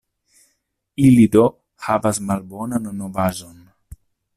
Ili do havas malbonan novaĵon.